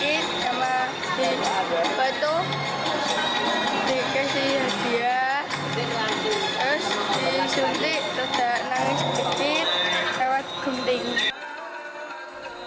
disunat terdengar sakit sama di batuk dikasih hadiah terus disuntik terdengar nangis sedikit lewat kumping